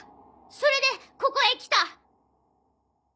それでここへ来た。